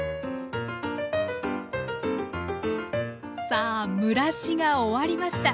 さあ蒸らしが終わりました。